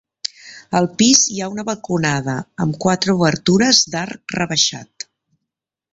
Al pis hi ha una balconada, amb quatre obertures d'arc rebaixat.